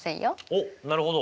おっなるほど。